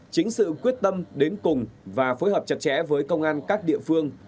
chính sự quyết tâm đến cùng và phối hợp chặt chẽ với công an các địa phương